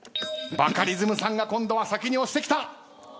バカリズムさんが今度は先に押してきた！